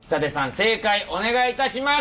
正解お願いいたします。